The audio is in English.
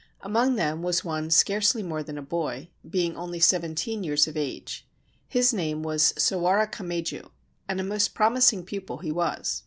Among them was one scarcely more than a boy, being only seventeen years of age. His name was Sawara Kameju, and a most promising pupil he was.